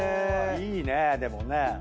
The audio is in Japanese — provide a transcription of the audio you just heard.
いいねでもね。